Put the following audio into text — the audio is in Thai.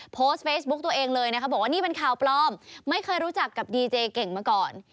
โพสต์เฟซบุ๊กตัวเองเลยนะคะบอกว่านี่เป็นข่าวปลอมไม่เคยรู้จักกับดีเจเก่งมาก่อน